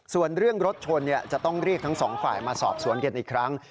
ส่วนเรื่องรถชนจะต้องเรียกทั้งสองฝ่ายมาสอบสวนกันอีกครั้ง